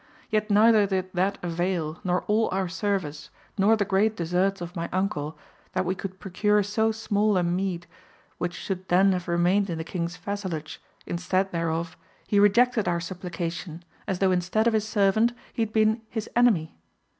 Yet neither did that avail, nor all our service, nor the great deserts of my uncle, that we could procure so small a meed, which should then have remained in the king's vassalage, instead thereof he rejected our supplication, as though instead of his servant, he had been his enemy.